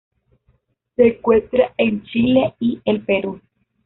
Se encuentra en Chile y el Perú.